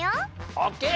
オッケー！